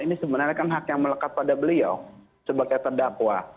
ini sebenarnya kan hak yang melekat pada beliau sebagai terdakwa